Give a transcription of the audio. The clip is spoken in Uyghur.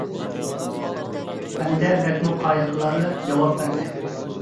ھەمدە بەكمۇ قايىل قىلارلىق جاۋاب بەردى.